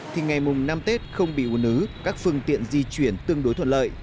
thì ngày mùng năm tết không bị hùn ứ các phương tiện di chuyển tương đối thuận lợi